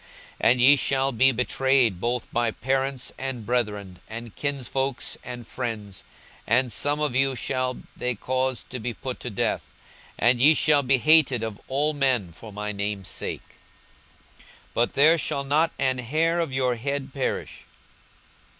42:021:016 And ye shall be betrayed both by parents, and brethren, and kinsfolks, and friends; and some of you shall they cause to be put to death. 42:021:017 And ye shall be hated of all men for my name's sake. 42:021:018 But there shall not an hair of your head perish.